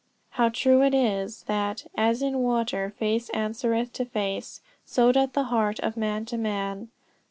How true it is that "as in water face answereth to face, so doth the heart of man to man."